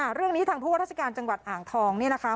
เรื่องนี้ทางผู้ว่าราชการจังหวัดอ่างทองเนี่ยนะคะ